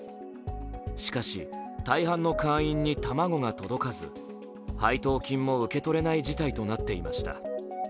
しかし、大半の会員に卵が届かず配当金も受け取れない事態となっていました。